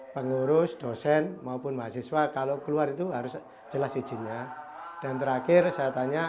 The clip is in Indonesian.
pengurus dosen maupun mahasiswa kalau keluar itu harus jelas izinnya dan terakhir saya tanya